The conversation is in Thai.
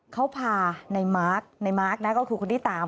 เขาพาในมาร์คในมาร์คนะก็คือคนที่ตาม